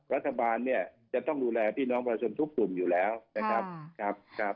รัฐบาลเนี่ยจะต้องดูแลพี่น้องประชาชนทุกกลุ่มอยู่แล้วนะครับ